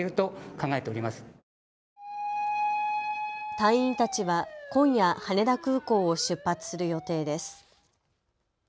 隊員たちは今夜、羽田空港を出発する予定です。